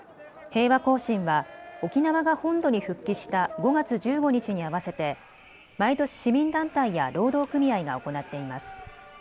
平和行進は沖縄が本土に復帰した５月１５日に合わせて毎年、市民団体や労働組合が行っています。